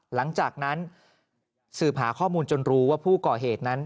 หลังจากนั้นสืบหาข้อมูลจนรู้ว่าผู้ก่อเหตุนั้น